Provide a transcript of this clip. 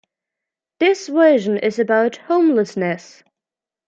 This version is about homelessness.